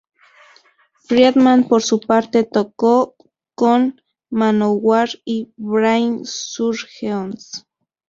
Friedman, por su parte, tocó con Manowar y Brain Surgeons.